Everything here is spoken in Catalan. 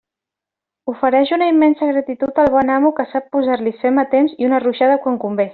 Ofereix una immensa gratitud al bon amo que sap posar-li fem a temps i una ruixada quan convé.